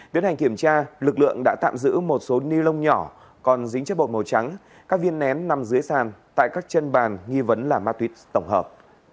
tiến hành kiểm tra lực lượng đã tạm giữ một số ni lông nhỏ còn dính chất bột màu trắng các viên nén nằm dưới sàn tại các chân bàn nghi vấn là ma túy tổng hợp